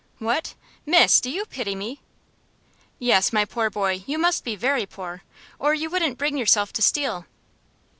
"What! miss, do you pity me?" "Yes, my poor boy, you must be very poor, or you wouldn't bring yourself to steal."